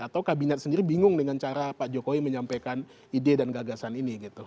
atau kabinet sendiri bingung dengan cara pak jokowi menyampaikan ide dan gagasan ini gitu